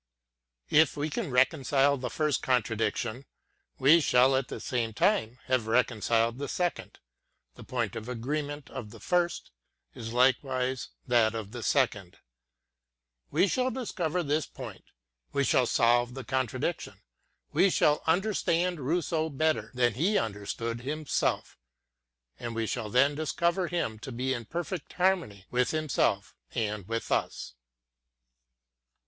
If we can reconcile the first contradiction, we shall, at the same time, have reconciled the second; the point of agree ment of the first, is likewise that of the second. We shall discover this point, we shall solve the contradiction, we shall understand Rousseau better than he understood him self, and we shall then discover him to be in perfect harmony with himself and with us.